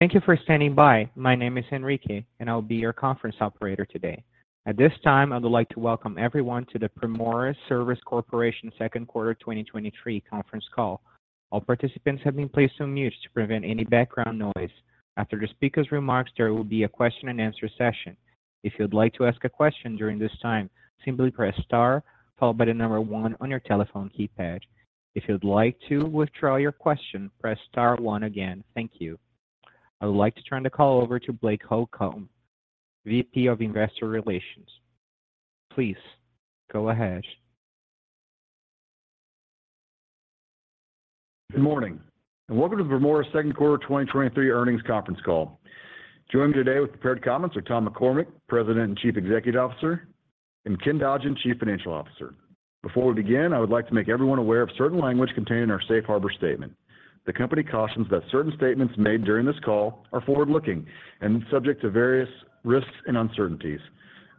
Thank you for standing by. My name is Enrique, and I'll be your conference operator today. At this time, I would like to welcome everyone to the Primoris Services Corporation Second Quarter 2023 Conference Call. All participants have been placed on mute to prevent any background noise. After the speaker's remarks, there will be a question and answer session. If you'd like to ask a question during this time, simply press Star 1 on your telephone keypad. If you'd like to withdraw your question, press Star 1 again. Thank you. I would like to turn the call over to Blake Holcomb, VP of Investor Relations. Please, go ahead. Good morning, and welcome to the Primoris Second Quarter 2023 Earnings Conference Call. Joining me today with prepared comments are Tom McCormick, President and Chief Executive Officer, and Ken Dodgen, Chief Financial Officer. Before we begin, I would like to make everyone aware of certain language contained in our Safe Harbor statement. The company cautions that certain statements made during this call are forward-looking and subject to various risks and uncertainties.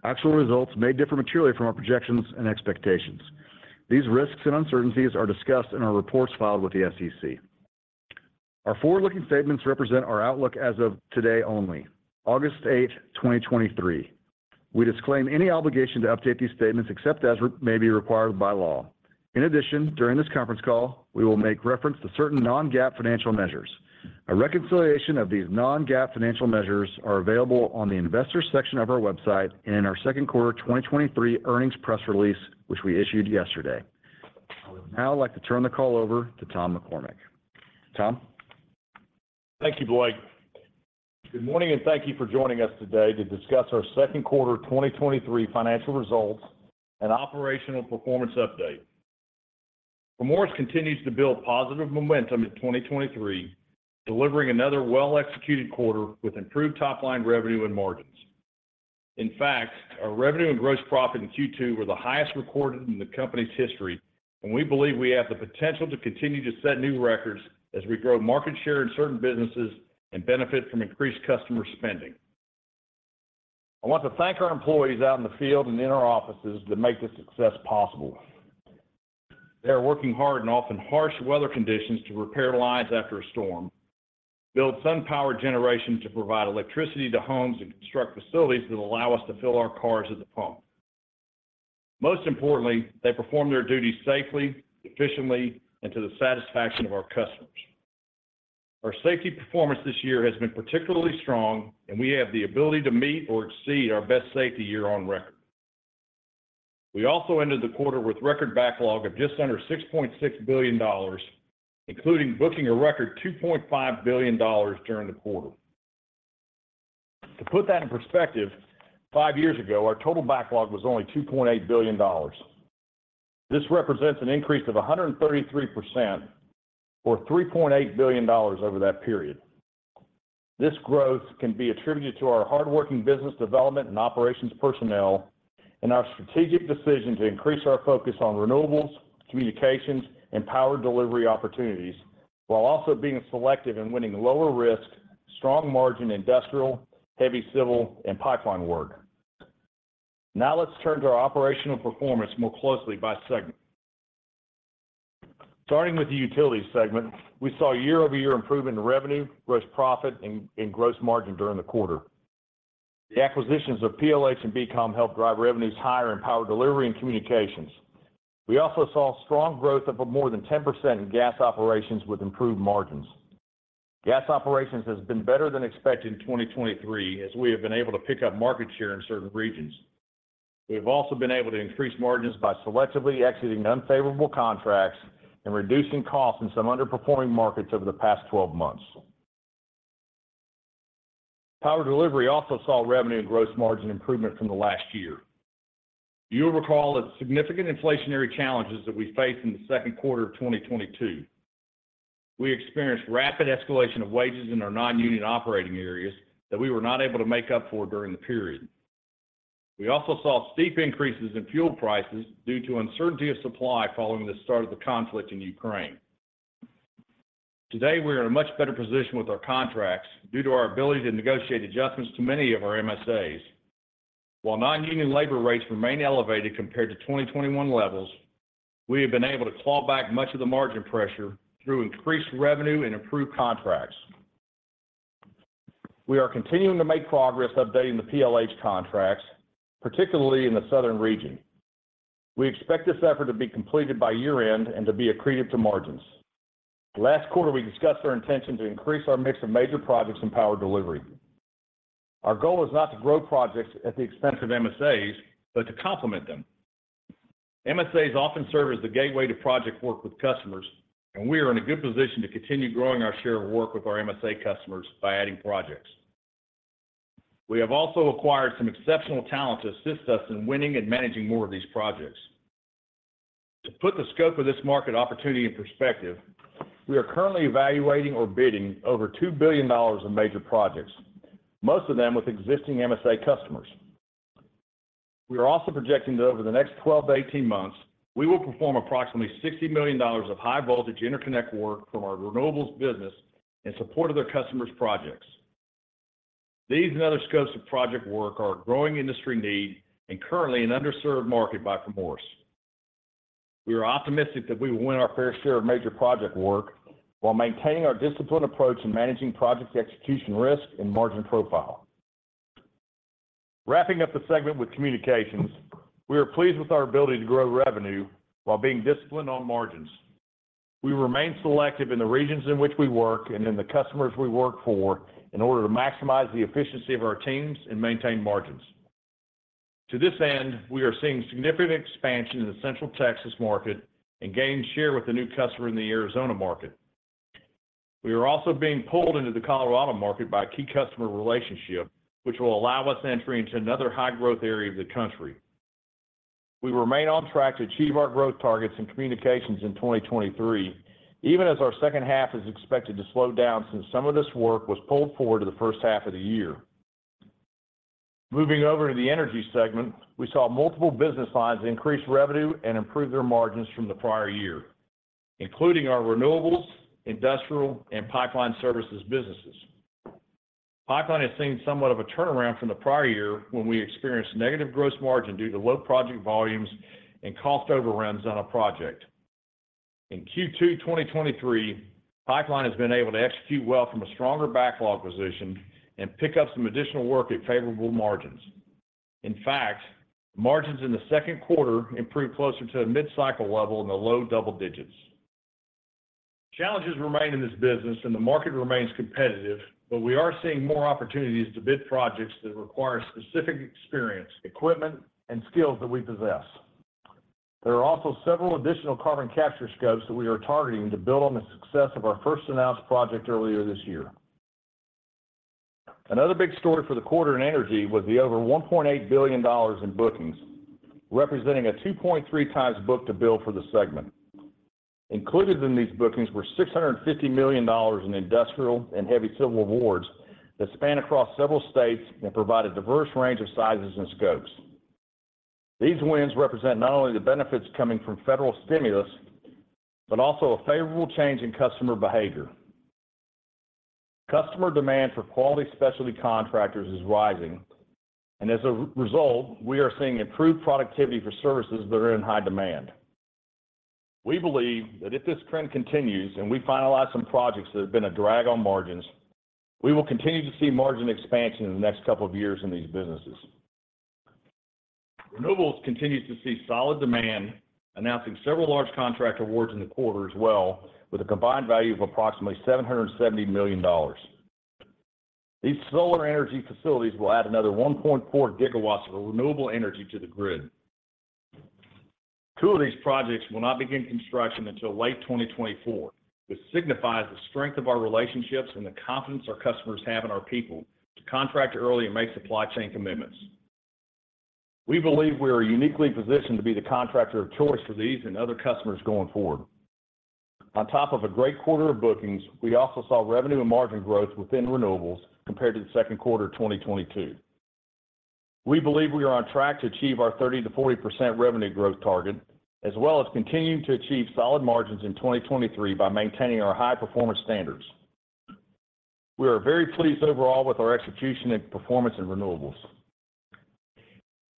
Actual results may differ materially from our projections and expectations. These risks and uncertainties are discussed in our reports filed with the SEC. Our forward-looking statements represent our outlook as of today only, August eighth, twenty twenty-three. We disclaim any obligation to update these statements except as may be required by law. During this conference call, we will make reference to certain non-GAAP financial measures. A reconciliation of these non-GAAP financial measures are available on the Investors section of our website and in our second quarter 2023 earnings press release, which we issued yesterday. I would now like to turn the call over to Tom McCormick. Tom? Thank you, Blake. Good morning, thank you for joining us today to discuss our second quarter 2023 financial results and operational performance update. Primoris continues to build positive momentum in 2023, delivering another well-executed quarter with improved top-line revenue and margins. In fact, our revenue and gross profit in Q2 were the highest recorded in the company's history, we believe we have the potential to continue to set new records as we grow market share in certain businesses and benefit from increased customer spending. I want to thank our employees out in the field and in our offices that make this success possible. They are working hard and often harsh weather conditions to repair lives after a storm, build sun-powered generation to provide electricity to homes and construct facilities that allow us to fill our cars at the pump. Most importantly, they perform their duties safely, efficiently, and to the satisfaction of our customers. Our safety performance this year has been particularly strong, and we have the ability to meet or exceed our best safety year on record. We also ended the quarter with record backlog of just under $6.6 billion, including booking a record $2.5 billion during the quarter. To put that in perspective, five years ago, our total backlog was only $2.8 billion. This represents an increase of 133% or $3.8 billion over that period. This growth can be attributed to our hardworking business development and operations personnel, and our strategic decision to increase our focus on renewables, communications, and power delivery opportunities, while also being selective in winning lower risk, strong margin, industrial, heavy civil, and pipeline work. Now, let's turn to our operational performance more closely by segment. Starting with the utility segment, we saw year-over-year improvement in revenue, gross profit, and gross margin during the quarter. The acquisitions of PLH and BCOM helped drive revenues higher in power delivery and communications. We also saw strong growth of more than 10% in gas operations with improved margins. Gas operations has been better than expected in 2023, as we have been able to pick up market share in certain regions. We've also been able to increase margins by selectively exiting unfavorable contracts and reducing costs in some underperforming markets over the past 12 months. Power delivery also saw revenue and gross margin improvement from the last year. You'll recall the significant inflationary challenges that we faced in the second quarter of 2022. We experienced rapid escalation of wages in our non-union operating areas that we were not able to make up for during the period. We also saw steep increases in fuel prices due to uncertainty of supply following the start of the conflict in Ukraine. Today, we're in a much better position with our contracts due to our ability to negotiate adjustments to many of our MSAs. While non-union labor rates remain elevated compared to 2021 levels, we have been able to claw back much of the margin pressure through increased revenue and improved contracts. We are continuing to make progress updating the PLH contracts, particularly in the southern region. We expect this effort to be completed by year-end and to be accretive to margins. Last quarter, we discussed our intention to increase our mix of major projects in power delivery. Our goal is not to grow projects at the expense of MSAs, but to complement them. MSAs often serve as the gateway to project work with customers, and we are in a good position to continue growing our share of work with our MSA customers by adding projects. We have also acquired some exceptional talent to assist us in winning and managing more of these projects. To put the scope of this market opportunity in perspective, we are currently evaluating or bidding over $2 billion in major projects, most of them with existing MSA customers. We are also projecting that over the next 12-18 months, we will perform approximately $60 million of high-voltage interconnect work from our renewables business in support of their customers' projects. These and other scopes of project work are a growing industry need and currently an underserved market by Primoris. We are optimistic that we will win our fair share of major project work while maintaining our disciplined approach in managing project execution risk and margin profile. Wrapping up the segment with communications, we are pleased with our ability to grow revenue while being disciplined on margins. We remain selective in the regions in which we work and in the customers we work for, in order to maximize the efficiency of our teams and maintain margins. To this end, we are seeing significant expansion in the Central Texas market and gaining share with a new customer in the Arizona market. We are also being pulled into the Colorado market by a key customer relationship, which will allow us entry into another high-growth area of the country. We remain on track to achieve our growth targets in communications in 2023, even as our second half is expected to slow down since some of this work was pulled forward to the first half of the year. Moving over to the energy segment, we saw multiple business lines increase revenue and improve their margins from the prior year, including our renewables, industrial, and pipeline services businesses. Pipeline has seen somewhat of a turnaround from the prior year, when we experienced negative gross margin due to low project volumes and cost overruns on a project. In Q2 2023, pipeline has been able to execute well from a stronger backlog position and pick up some additional work at favorable margins. In fact, margins in the second quarter improved closer to a mid-cycle level in the low double digits. Challenges remain in this business, and the market remains competitive, but we are seeing more opportunities to bid projects that require specific experience, equipment, and skills that we possess. There are also several additional carbon capture scopes that we are targeting to build on the success of our first announced project earlier this year. Another big story for the quarter in energy was the over $1.8 billion in bookings, representing a 2.3 times book-to-bill for the segment. Included in these bookings were $650 million in industrial and heavy civil awards that span across several states and provide a diverse range of sizes and scopes. These wins represent not only the benefits coming from federal stimulus, but also a favorable change in customer behavior. Customer demand for quality specialty contractors is rising. As a result, we are seeing improved productivity for services that are in high demand. We believe that if this trend continues and we finalize some projects that have been a drag on margins, we will continue to see margin expansion in the next couple of years in these businesses. Renewables continues to see solid demand, announcing several large contract awards in the quarter as well, with a combined value of approximately $770 million. These solar energy facilities will add another 1.4 gigawatts of renewable energy to the grid. Two of these projects will not begin construction until late 2024, which signifies the strength of our relationships and the confidence our customers have in our people to contract early and make supply chain commitments. Top of a great quarter of bookings, we also saw revenue and margin growth within renewables compared to the second quarter of 2022. We believe we are on track to achieve our 30%-40% revenue growth target, as well as continuing to achieve solid margins in 2023 by maintaining our high performance standards. We are very pleased overall with our execution and performance in renewables.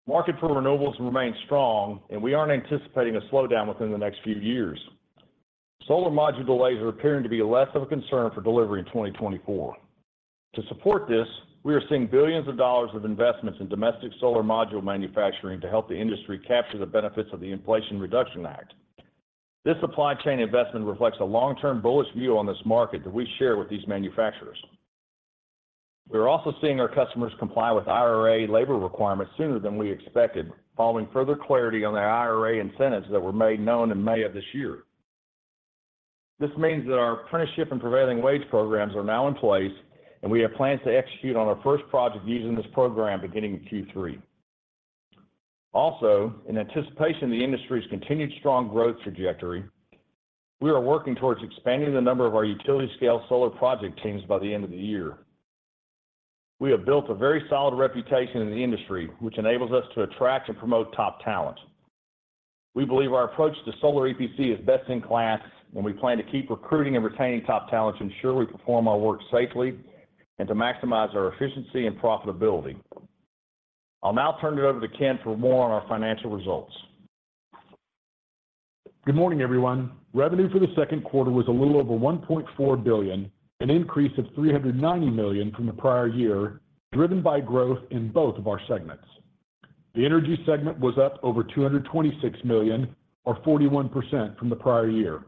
Market for renewables remains strong, we aren't anticipating a slowdown within the next few years. Solar module delays are appearing to be less of a concern for delivery in 2024. To support this, we are seeing billions of dollars of investments in domestic solar module manufacturing to help the industry capture the benefits of the Inflation Reduction Act. This supply chain investment reflects a long-term bullish view on this market that we share with these manufacturers. We're also seeing our customers comply with IRA labor requirements sooner than we expected, following further clarity on the IRA incentives that were made known in May of this year. This means that our apprenticeship and prevailing wage programs are now in place, and we have plans to execute on our first project using this program beginning in Q3. Also, in anticipation of the industry's continued strong growth trajectory, we are working towards expanding the number of our utility-scale solar project teams by the end of the year. We have built a very solid reputation in the industry, which enables us to attract and promote top talent. We believe our approach to solar EPC is best in class. We plan to keep recruiting and retaining top talent to ensure we perform our work safely and to maximize our efficiency and profitability. I'll now turn it over to Ken for more on our financial results. Good morning, everyone. Revenue for the second quarter was a little over $1.4 billion, an increase of $390 million from the prior year, driven by growth in both of our segments. The energy segment was up over $226 million or 41% from the prior year.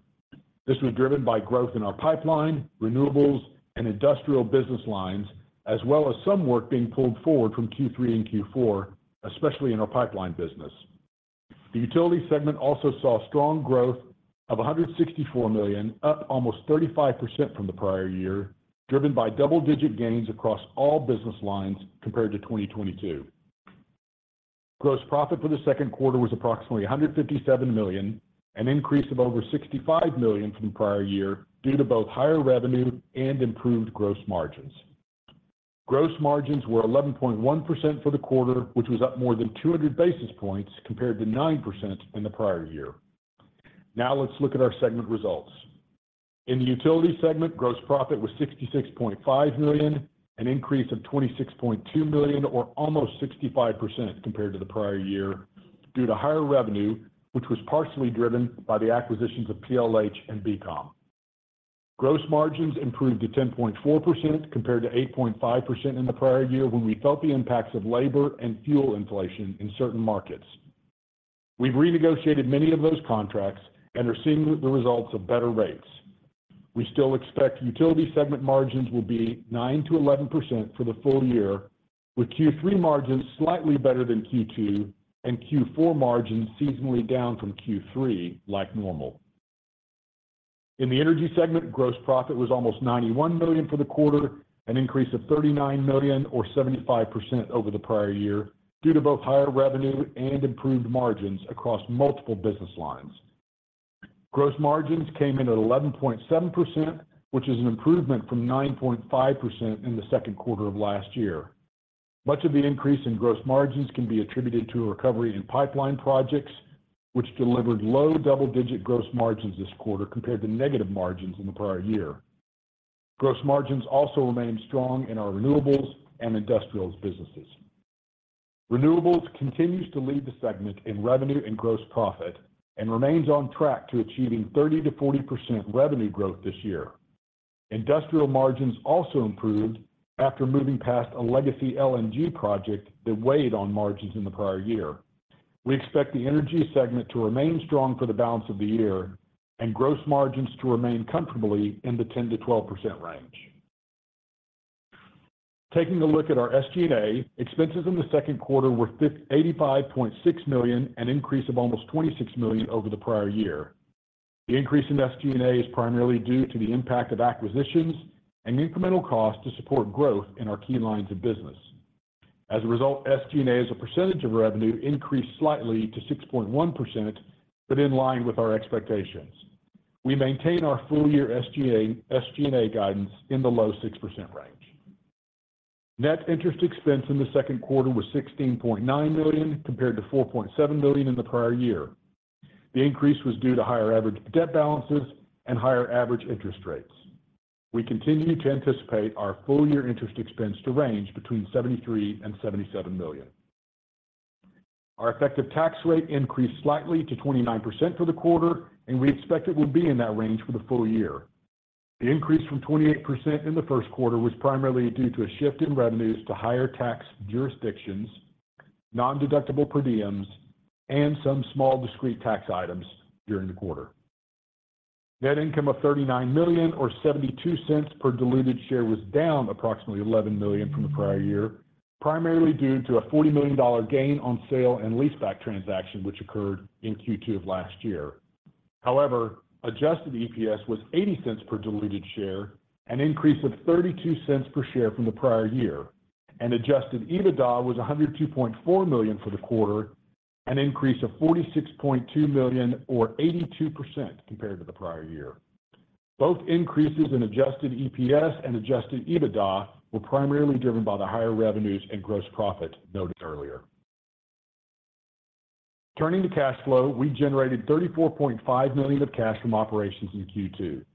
This was driven by growth in our pipeline, renewables, and industrial business lines, as well as some work being pulled forward from Q3 and Q4, especially in our pipeline business. The utility segment also saw strong growth of $164 million, up almost 35% from the prior year, driven by double-digit gains across all business lines compared to 2022. Gross profit for the second quarter was approximately $157 million, an increase of over $65 million from the prior year, due to both higher revenue and improved gross margins. Gross margins were 11.1% for the quarter, which was up more than 200 basis points compared to 9% in the prior year. Let's look at our segment results. In the utility segment, gross profit was $66.5 million, an increase of $26.2 million, or almost 65% compared to the prior year, due to higher revenue, which was partially driven by the acquisitions of PLH and BCOM. Gross margins improved to 10.4%, compared to 8.5% in the prior year, when we felt the impacts of labor and fuel inflation in certain markets. We've renegotiated many of those contracts and are seeing the results of better rates. We still expect utility segment margins will be 9%-11% for the full year, with Q3 margins slightly better than Q2, and Q4 margins seasonally down from Q3, like normal. In the energy segment, gross profit was almost $91 million for the quarter, an increase of $39 million or 75% over the prior year, due to both higher revenue and improved margins across multiple business lines. Gross margins came in at 11.7%, which is an improvement from 9.5% in the second quarter of last year. Much of the increase in gross margins can be attributed to a recovery in pipeline projects, which delivered low double-digit gross margins this quarter compared to negative margins in the prior year. Gross margins also remained strong in our renewables and industrials businesses. Renewables continues to lead the segment in revenue and gross profit and remains on track to achieving 30%-40% revenue growth this year. Industrial margins also improved after moving past a legacy LNG project that weighed on margins in the prior year. We expect the energy segment to remain strong for the balance of the year and gross margins to remain comfortably in the 10%-12% range. Taking a look at our SG&A, expenses in the second quarter were $85.6 million, an increase of almost $26 million over the prior year. The increase in SG&A is primarily due to the impact of acquisitions and incremental costs to support growth in our key lines of business. As a result, SG&A, as a percentage of revenue, increased slightly to 6.1%, but in line with our expectations. We maintain our full-year SG&A, SG&A guidance in the low 6% range. Net interest expense in the second quarter was $16.9 million, compared to $4.7 million in the prior year. The increase was due to higher average debt balances and higher average interest rates. We continue to anticipate our full-year interest expense to range between $73 million and $77 million. Our effective tax rate increased slightly to 29% for the quarter, and we expect it will be in that range for the full year. The increase from 28% in the first quarter was primarily due to a shift in revenues to higher tax jurisdictions, nondeductible per diems, and some small discrete tax items during the quarter. Net income of $39 million or $0.72 per diluted share was down approximately $11 million from the prior year, primarily due to a $40 million gain on sale and leaseback transaction, which occurred in Q2 of last year. Adjusted EPS was $0.80 per diluted share, an increase of $0.32 per share from the prior year, and adjusted EBITDA was $102.4 million for the quarter, an increase of $46.2 million or 82% compared to the prior year. Both increases in adjusted EPS and adjusted EBITDA were primarily driven by the higher revenues and gross profit noted earlier. Turning to cash flow, we generated $34.5 million of cash from operations in Q2.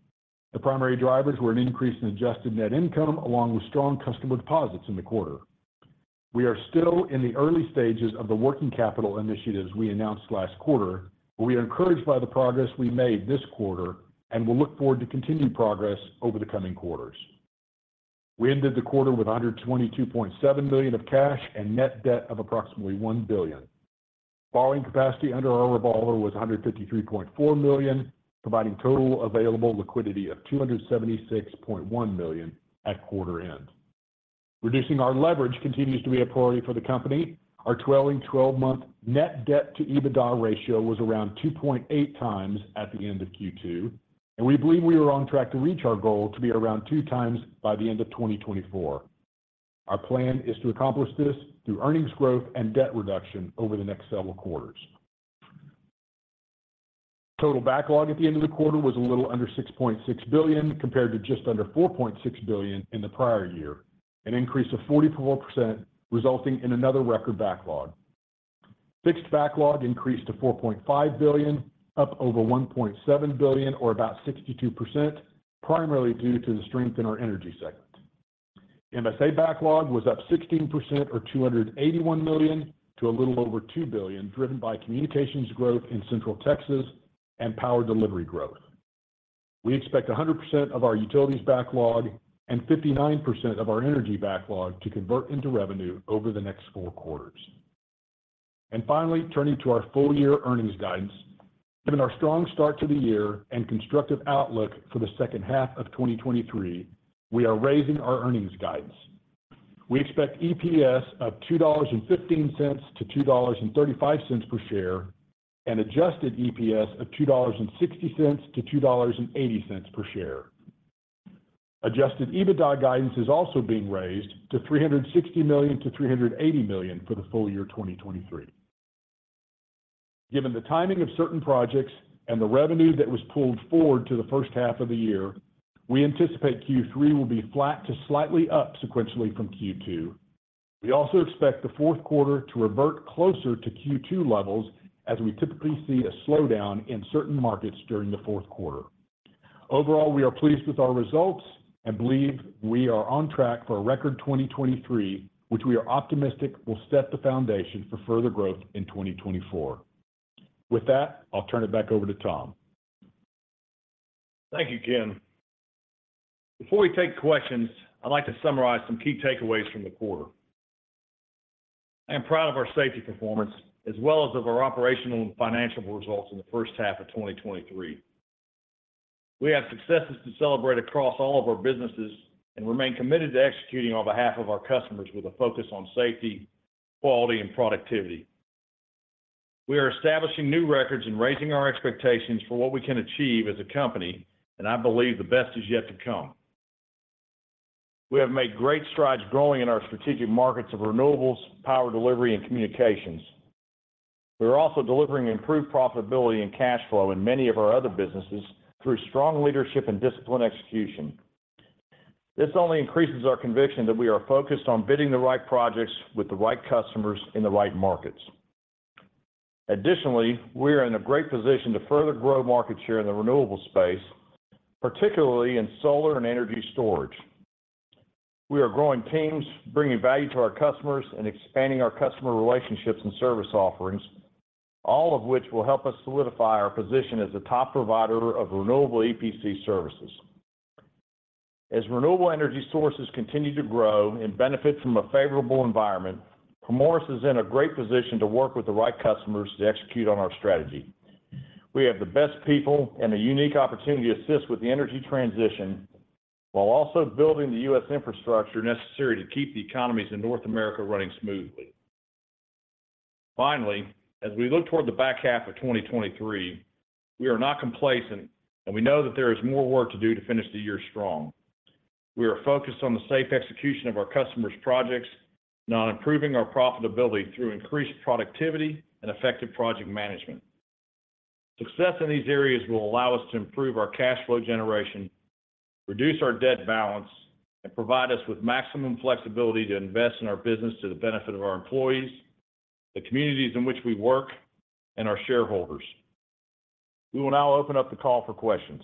The primary drivers were an increase in adjusted net income along with strong customer deposits in the quarter. We are still in the early stages of the working capital initiatives we announced last quarter, but we are encouraged by the progress we made this quarter, and we look forward to continued progress over the coming quarters. We ended the quarter with $122.7 million of cash and net debt of approximately $1 billion. Borrowing capacity under our revolver was $153.4 million, providing total available liquidity of $276.1 million at quarter end. Reducing our leverage continues to be a priority for the company. Our trailing twelve-month net debt-to-EBITDA ratio was around 2.8 times at the end of Q2, and we believe we are on track to reach our goal to be around 2 times by the end of 2024. Our plan is to accomplish this through earnings growth and debt reduction over the next several quarters. Total backlog at the end of the quarter was a little under $6.6 billion, compared to just under $4.6 billion in the prior year, an increase of 44%, resulting in another record backlog. Fixed backlog increased to $4.5 billion, up over $1.7 billion or about 62%, primarily due to the strength in our energy segment. MSA backlog was up 16% or $281 million to a little over $2 billion, driven by communications growth in Central Texas and power delivery growth. We expect 100% of our utilities backlog and 59% of our energy backlog to convert into revenue over the next four quarters. Finally, turning to our full-year earnings guidance. Given our strong start to the year and constructive outlook for the second half of 2023, we are raising our earnings guidance. We expect EPS of $2.15-$2.35 per share and adjusted EPS of $2.60-$2.80 per share. Adjusted EBITDA guidance is also being raised to $360 million-$380 million for the full year 2023. Given the timing of certain projects and the revenue that was pulled forward to the first half of the year, we anticipate Q3 will be flat to slightly up sequentially from Q2. We also expect the fourth quarter to revert closer to Q2 levels, as we typically see a slowdown in certain markets during the fourth quarter. Overall, we are pleased with our results and believe we are on track for a record 2023, which we are optimistic will set the foundation for further growth in 2024. With that, I'll turn it back over to Tom. Thank you, Ken. Before we take questions, I'd like to summarize some key takeaways from the quarter. I am proud of our safety performance, as well as of our operational and financial results in the first half of 2023. We have successes to celebrate across all of our businesses and remain committed to executing on behalf of our customers with a focus on safety, quality, and productivity. We are establishing new records and raising our expectations for what we can achieve as a company, and I believe the best is yet to come. We have made great strides growing in our strategic markets of renewables, power delivery, and communications. We're also delivering improved profitability and cash flow in many of our other businesses through strong leadership and disciplined execution. This only increases our conviction that we are focused on bidding the right projects with the right customers in the right markets. Additionally, we are in a great position to further grow market share in the renewable space, particularly in solar and energy storage. We are growing teams, bringing value to our customers, and expanding our customer relationships and service offerings, all of which will help us solidify our position as a top provider of renewable EPC services. As renewable energy sources continue to grow and benefit from a favorable environment, Primoris is in a great position to work with the right customers to execute on our strategy. We have the best people and a unique opportunity to assist with the energy transition, while also building the U.S. infrastructure necessary to keep the economies in North America running smoothly. Finally, as we look toward the back half of 2023, we are not complacent, and we know that there is more work to do to finish the year strong. We are focused on the safe execution of our customers' projects, and on improving our profitability through increased productivity and effective project management. Success in these areas will allow us to improve our cash flow generation, reduce our debt balance, and provide us with maximum flexibility to invest in our business to the benefit of our employees, the communities in which we work, and our shareholders. We will now open up the call for questions.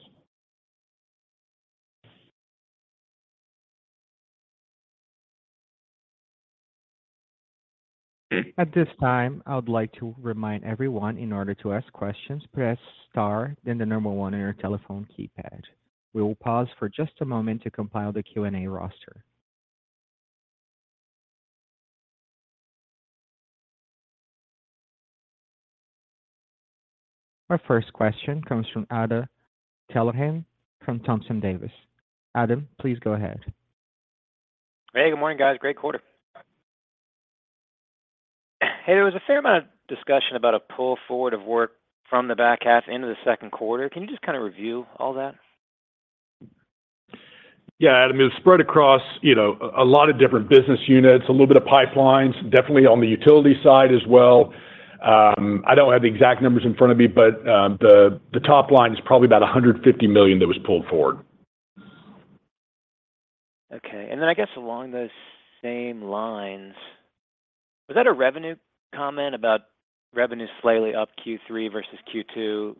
At this time, I would like to remind everyone in order to ask questions, press Star, then the number 1 on your telephone keypad. We will pause for just a moment to compile the Q&A roster. Our first question comes from Adam Thalhimer from Thompson Davis. Adam, please go ahead. Hey, good morning, guys. Great quarter. Hey, there was a fair amount of discussion about a pull forward of work from the back half into the second quarter. Can you just kind of review all that? Yeah, Adam, it was spread across, you know, a, a lot of different business units, a little bit of pipelines, definitely on the utility side as well. I don't have the exact numbers in front of me, but the, the top line is probably about $150 million that was pulled forward. Okay. I guess along those same lines, was that a revenue comment about revenue slightly up Q3 versus Q2,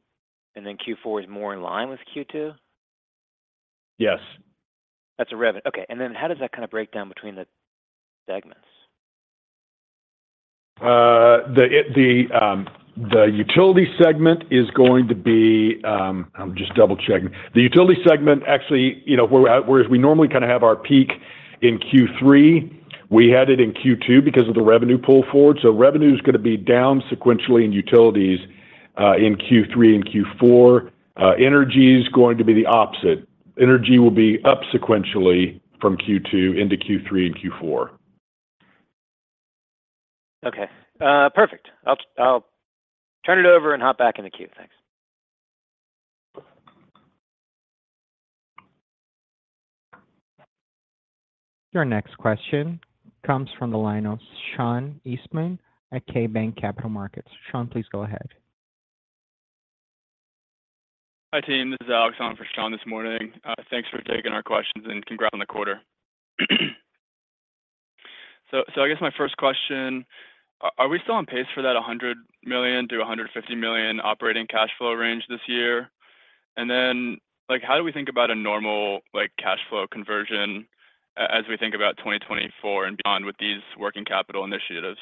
and then Q4 is more in line with Q2? Yes. That's a revenue. Okay, then how does that kind of break down between the segments? The, it, the, the utility segment is going to be I'm just double-checking. The utility segment, actually, you know, where, where we normally kind of have our peak in Q3, we had it in Q2 because of the revenue pull forward. Revenue is gonna be down sequentially in utilities in Q3 and Q4. Energy is going to be the opposite. Energy will be up sequentially from Q2 into Q3 and Q4. Okay, perfect. I'll, I'll turn it over and hop back in the queue. Thanks. Your next question comes from the line of Sean Hantman at KeyBanc Capital Markets. Sean, please go ahead. Hi, team, this is Alex on for Sean this morning. Thanks for taking our questions, congrats on the quarter. So I guess my first question, are we still on pace for that $100 million-$150 million operating cash flow range this year? Then, like, how do we think about a normal, like, cash flow conversion as we think about 2024 and beyond with these working capital initiatives?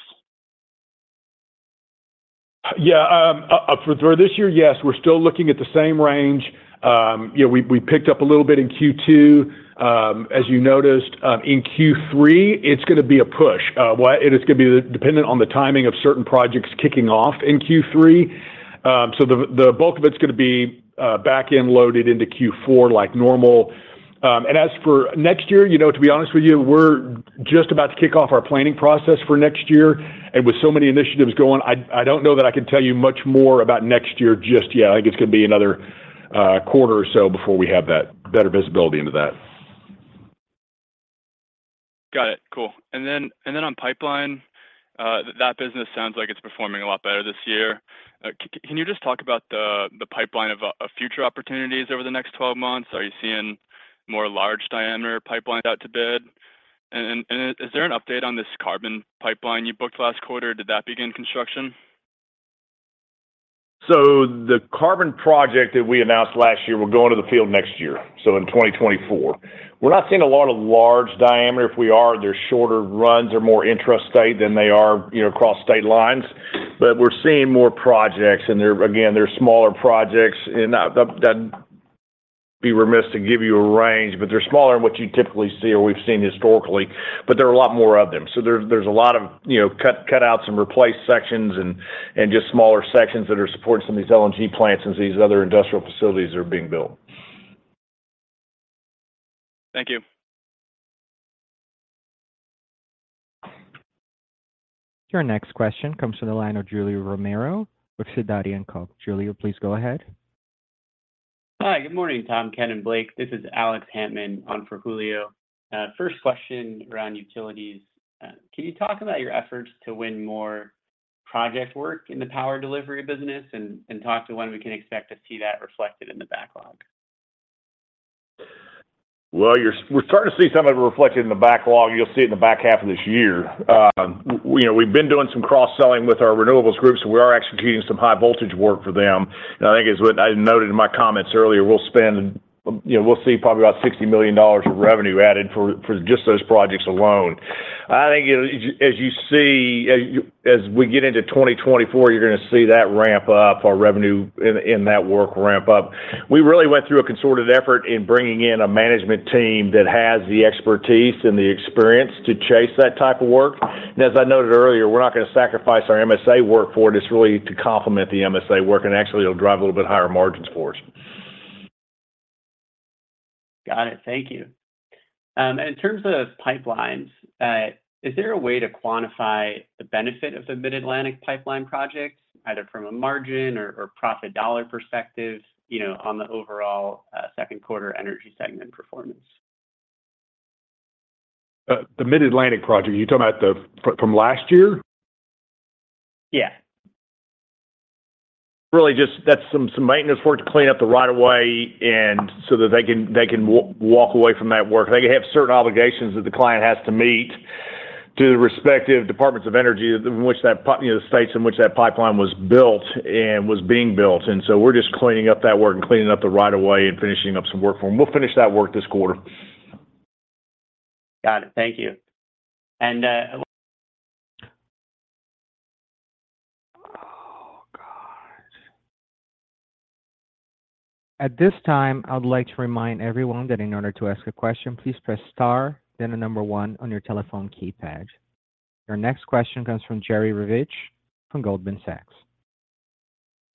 Yeah, for this year, yes, we're still looking at the same range. You know, we, we picked up a little bit in Q2. As you noticed, in Q3, it's gonna be a push. Well, it's gonna be dependent on the timing of certain projects kicking off in Q3. The, the bulk of it's gonna be back-end loaded into Q4 like normal. As for next year, you know, to be honest with you, we're just about to kick off our planning process for next year, with so many initiatives going, I, I don't know that I can tell you much more about next year just yet. I think it's gonna be another quarter or so before we have that better visibility into that. Got it. Cool. Then, and then on pipeline... that business sounds like it's performing a lot better this year. can you just talk about the pipeline of future opportunities over the next 12 months? Are you seeing more large-diameter pipelines out to bid? And, and is there an update on this carbon pipeline you booked last quarter? Did that begin construction? The carbon project that we announced last year will go into the field next year, so in 2024. We're not seeing a lot of large diameter. If we are, they're shorter runs or more intrastate than they are, you know, across state lines. We're seeing more projects, and again, they're smaller projects. I'd, I'd, I'd be remiss to give you a range, but they're smaller than what you typically see or we've seen historically, but there are a lot more of them. There's, there's a lot of, you know, cut, cut out some replaced sections and, and just smaller sections that are supporting some of these LNG plants as these other industrial facilities are being built. Thank you. Your next question comes from the line of Julio Romero with Sidoti & Co. Julio, please go ahead. Hi, good morning, Tom, Ken, and Blake. This is Alex Hantman on for Julio. First question around utilities. Can you talk about your efforts to win more project work in the power delivery business, and talk to when we can expect to see that reflected in the backlog? Well, we're starting to see some of it reflected in the backlog. You'll see it in the back half of this year. We know we've been doing some cross-selling with our renewables group, so we are executing some high voltage work for them. I think it's what I noted in my comments earlier, we'll spend, you know, we'll see probably about $60 million of revenue added for, for just those projects alone. I think as you, as you see, as we get into 2024, you're going to see that ramp up, our revenue in, in that work ramp up. We really went through a concerted effort in bringing in a management team that has the expertise and the experience to chase that type of work. As I noted earlier, we're not going to sacrifice our MSA work for it. It's really to complement the MSA work, and actually it'll drive a little bit higher margins for us. Got it. Thank you. In terms of pipelines, is there a way to quantify the benefit of the Mid-Atlantic pipeline projects, either from a margin or, or profit dollar perspective, you know, on the overall, second quarter energy segment performance? The Mid-Atlantic project, are you talking about from last year? Yeah. Really, just that's some, some maintenance work to clean up the right of way and so that they can walk away from that work. They have certain obligations that the client has to meet to the respective departments of energy in which that, you know, the states in which that pipeline was built and was being built. We're just cleaning up that work and cleaning up the right of way and finishing up some work for them. We'll finish that work this quarter. Got it. Thank you. Oh, God! At this time, I would like to remind everyone that in order to ask a question, please press star, then 1 on your telephone keypad. Your next question comes from Jerry Revich from Goldman Sachs.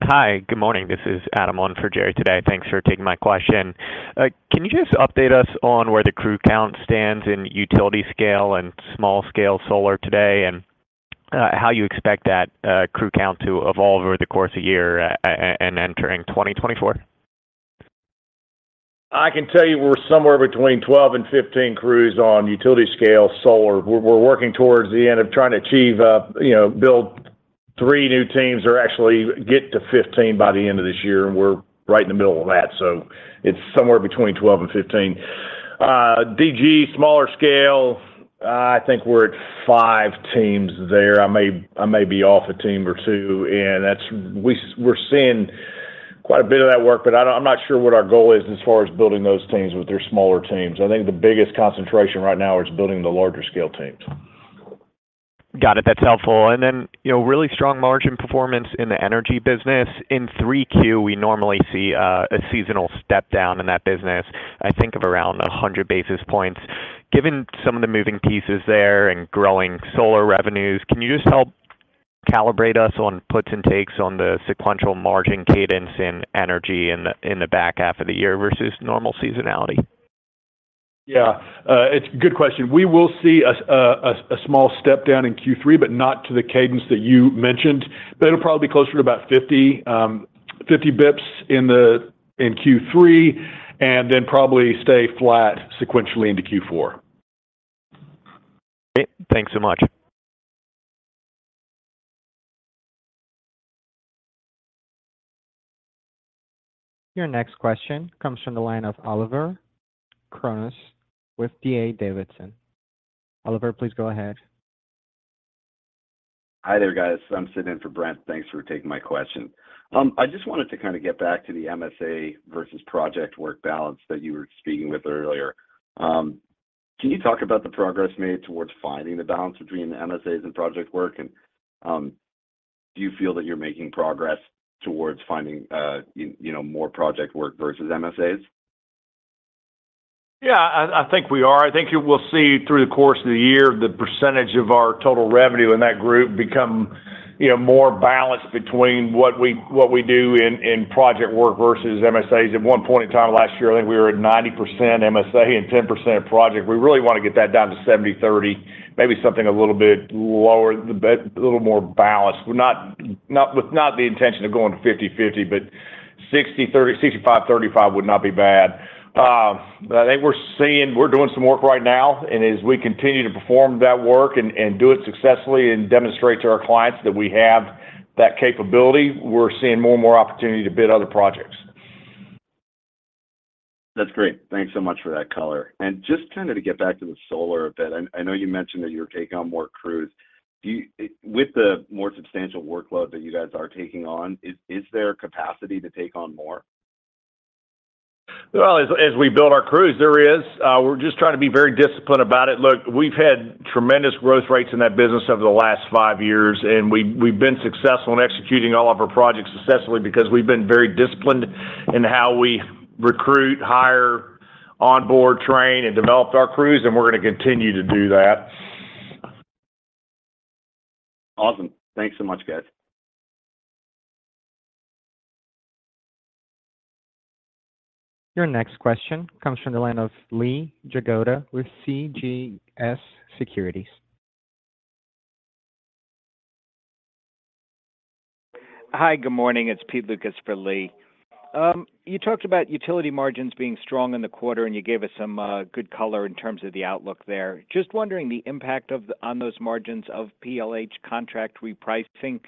Hi, good morning. This is Adam on for Jerry today. Thanks for taking my question. Can you just update us on where the crew count stands in utility scale and small scale solar today, and how you expect that crew count to evolve over the course of year and entering 2024? I can tell you we're somewhere between 12 and 15 crews on utility scale solar. We're working towards the end of trying to achieve, you know, build 3 new teams or actually get to 15 by the end of this year, and we're right in the middle of that. It's somewhere between 12 and 15. DG, smaller scale, I think we're at 5 teams there. I may, I may be off a team or 2, and that's we're seeing quite a bit of that work, but I'm not, I'm not sure what our goal is as far as building those teams with their smaller teams. I think the biggest concentration right now is building the larger scale teams. Got it. That's helpful. Then, you know, really strong margin performance in the energy business. In 3Q, we normally see a seasonal step down in that business, I think of around 100 basis points. Given some of the moving pieces there and growing solar revenues, can you just help calibrate us on puts and takes on the sequential margin cadence in energy in the back half of the year versus normal seasonality? Yeah, it's a good question. We will see a, a, a small step down in Q3, but not to the cadence that you mentioned. It'll probably be closer to about 50, 50 bips in Q3, and then probably stay flat sequentially into Q4. Great. Thanks so much. Your next question comes from the line of Oliver Chornous with D.A. Davidson. Oliver, please go ahead. Hi there, guys. I'm sitting in for Brent. Thanks for taking my question. I just wanted to kind of get back to the MSA versus project work balance that you were speaking with earlier. Can you talk about the progress made towards finding the balance between the MSAs and project work? Do you feel that you're making progress towards finding, you know, more project work versus MSAs? Yeah, I, I think we are. I think you will see through the course of the year, the percentage of our total revenue in that group become, you know, more balanced between what we, what we do in, in project work versus MSAs. At one point in time last year, I think we were at 90% MSA and 10% project. We really want to get that down to 70/30, maybe something a little bit lower, but a little more balanced. We're not not with not the intention of going to 50/50, but 60/30, 65/35 would not be bad. I think we're seeing we're doing some work right now, and as we continue to perform that work and, and do it successfully and demonstrate to our clients that we have that capability, we're seeing more and more opportunity to bid other projects. That's great. Thanks so much for that color. Just kind of to get back to the solar a bit, I, I know you mentioned that you're taking on more crews. With the more substantial workload that you guys are taking on, is, is there capacity to take on more? Well, as, as we build our crews, there is. We're just trying to be very disciplined about it. Look, we've had tremendous growth rates in that business over the last five years, and we've, we've been successful in executing all of our projects successfully because we've been very disciplined in how we recruit, hire, onboard, train, and developed our crews, and we're gonna continue to do that. Awesome. Thanks so much, guys. Your next question comes from the line of Lee Jagoda with CJS Securities. Hi, good morning. It's Pete Lucas for Lee. You talked about utility margins being strong in the quarter, and you gave us some good color in terms of the outlook there. Just wondering the impact on those margins of PLH contract repricing.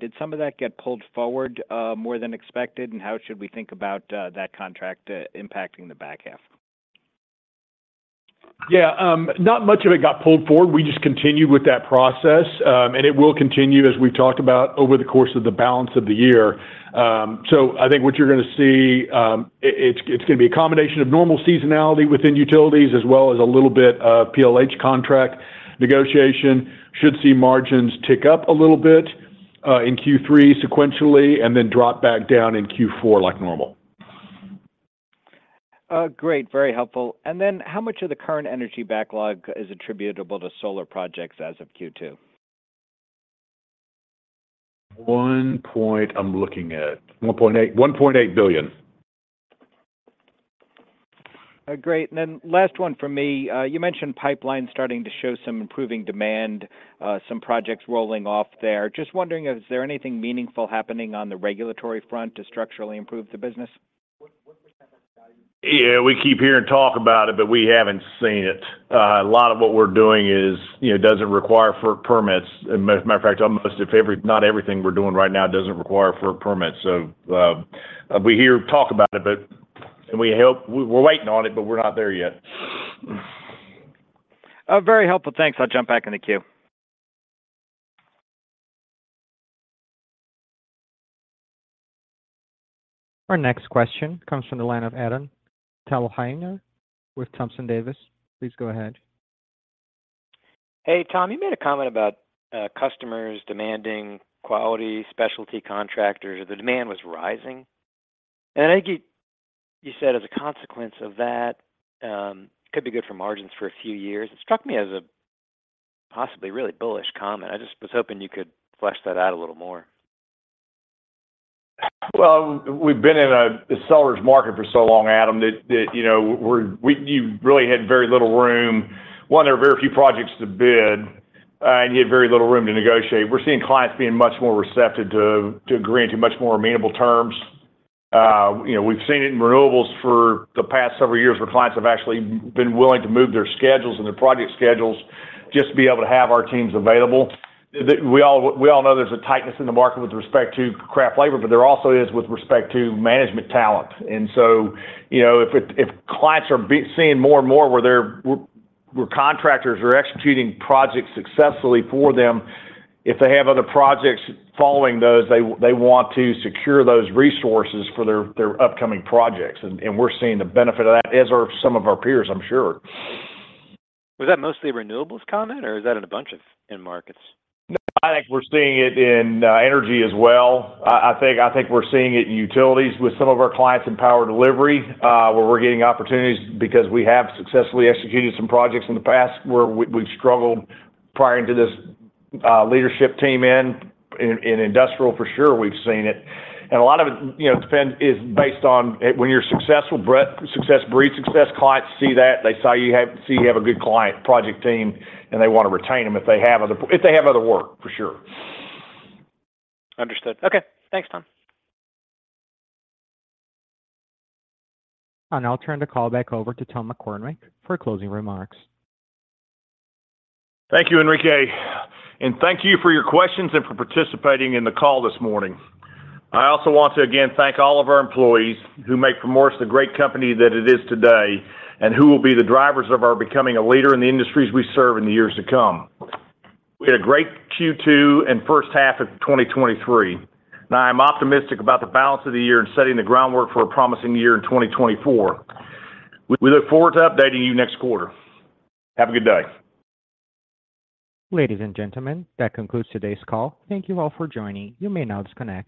Did some of that get pulled forward more than expected? How should we think about that contract impacting the back half? Yeah, not much of it got pulled forward. We just continued with that process, and it will continue, as we've talked about, over the course of the balance of the year. I think what you're gonna see, it, it's, it's gonna be a combination of normal seasonality within utilities, as well as a little bit of PLH contract negotiation. Should see margins tick up a little bit in Q3 sequentially, and then drop back down in Q4 like normal. Great. Very helpful. Then how much of the current energy backlog is attributable to solar projects as of Q2? I'm looking at. $1.8 billion, $1.8 billion. Great. Then last one from me. You mentioned pipelines starting to show some improving demand, some projects rolling off there. Just wondering, is there anything meaningful happening on the regulatory front to structurally improve the business? Yeah, we keep hearing talk about it, but we haven't seen it. A lot of what we're doing is, you know, doesn't require for permits. As a matter of fact, not everything we're doing right now doesn't require for a permit. We hear talk about it, but, and we hope. We're waiting on it, but we're not there yet. Very helpful. Thanks. I'll jump back in the queue. Our next question comes from the line of Adam Thalhimer with Thompson Davis. Please go ahead. Hey, Tom, you made a comment about customers demanding quality, specialty contractors, the demand was rising. I think you, you said as a consequence of that, could be good for margins for a few years. It struck me as a possibly really bullish comment. I just was hoping you could flesh that out a little more. Well, we've been in a seller's market for so long, Adam, that, you know, you've really had very little room. One, there are very few projects to bid, and you had very little room to negotiate. We're seeing clients being much more receptive to, to agreeing to much more amenable terms. You know, we've seen it in renewables for the past several years, where clients have actually been willing to move their schedules and their project schedules just to be able to have our teams available. We all, we all know there's a tightness in the market with respect to craft labor, but there also is with respect to management talent. You know, if clients are seeing more and more where they're, where contractors are executing projects successfully for them, if they have other projects following those, they, they want to secure those resources for their, their upcoming projects. We're seeing the benefit of that, as are some of our peers, I'm sure. Was that mostly renewables comment, or is that in a bunch of end markets? No, I think we're seeing it in energy as well. I think we're seeing it in utilities with some of our clients in power delivery, where we're getting opportunities because we have successfully executed some projects in the past where we've struggled prior to this leadership team in. In industrial, for sure, we've seen it. A lot of it, you know, is based on when you're successful, success breeds success. Clients see that, they see you have a good client project team, and they want to retain them if they have other work, for sure. Understood. Okay. Thanks, Tom. I'll now turn the call back over to Tom McCormick for closing remarks. Thank you, Enrique, and thank you for your questions and for participating in the call this morning. I also want to again thank all of our employees who make Primoris the great company that it is today, and who will be the drivers of our becoming a leader in the industries we serve in the years to come. We had a great Q2 and first half of 2023. I'm optimistic about the balance of the year and setting the groundwork for a promising year in 2024. We look forward to updating you next quarter. Have a good day. Ladies and gentlemen, that concludes today's call. Thank you all for joining. You may now disconnect.